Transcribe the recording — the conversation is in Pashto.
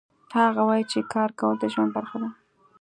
هغه وایي چې کار کول د ژوند برخه ده